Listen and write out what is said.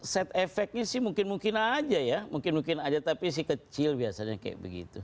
set efeknya sih mungkin mungkin aja ya mungkin mungkin aja tapi si kecil biasanya kayak begitu